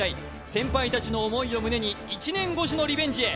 先輩たちの思いを胸に１年越しのリベンジへ。